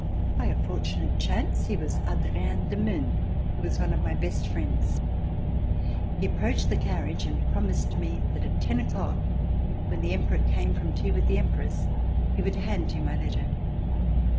By a fortunate chance he was Adrien de Mun who was one of my best friends. He approached the carriage and promised me that at ten o'clock, when the Emperor came from tea with the Empress, he would hand him my letter.